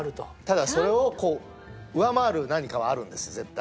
ただそれをこう上回る何かはあるんです絶対。